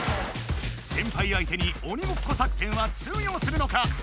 先輩相手に鬼ごっこ作戦は通用するのか？